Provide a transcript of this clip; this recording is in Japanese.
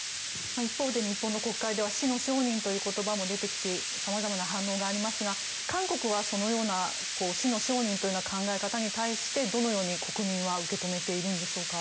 一方で、日本の国会では死の商人という言葉も出てきてさまざまな反応がありますが韓国はそのような死の商人という考え方に対してどのように国民は受け止めているんでしょうか。